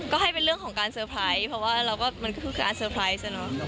ก็ให้เป็นเรื่องของการเตอร์ไพรส์เพราะว่าเราก็มันก็คือการเซอร์ไพรส์